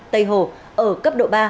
tây hồ ở cấp độ ba